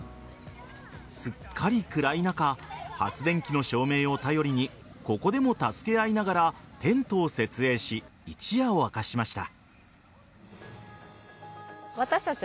すっかり暗い中発電機の照明を頼りにここでも助け合いながらテントを設営し一夜を明かしました。